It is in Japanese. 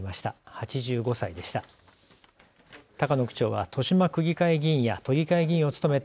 ８５歳でした。